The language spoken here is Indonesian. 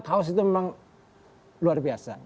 kaos itu memang luar biasa